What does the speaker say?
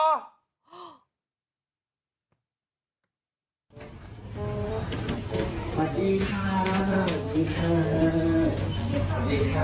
สวัสดีค่ะสวัสดีค่ะสวัสดีครับ